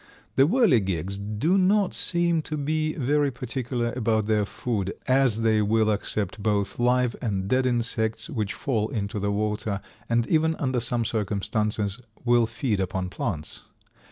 The Whirligigs do not seem to be very particular about their food, as they will accept both live and dead insects which fall into the water, and even under some circumstances will feed upon plants.